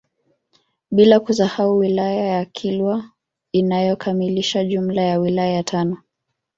Bila kusahau wilaya ya Kilwa inayokamilisha jumla ya wilaya tano